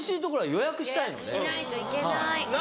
予約しないと行けない。